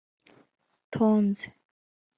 Tonzi